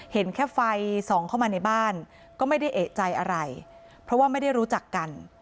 เห็นแค่ไฟส่องเข้ามาในบ้านก็ไม่ได้เอกใจอะไรเพราะว่าไม่ได้รู้จักกัน